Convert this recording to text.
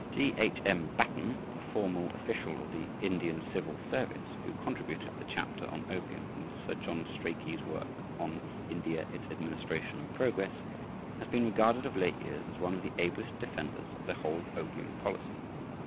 G. H. M. Batten, a formal official of the Indian Civil Service, who contributed the chapter on opium in Sir John Strachey's work on "India, its Administration and Progress," has been regarded of late years as one of the ablest defenders of the whole opium policy.